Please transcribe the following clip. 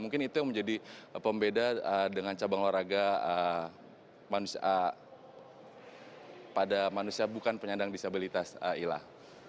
mungkin itu yang menjadi pembeda dengan cabang olahraga pada manusia bukan penyandang disabilitas ilah